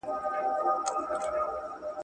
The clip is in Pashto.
څو مجمر د آسمان تود وي ..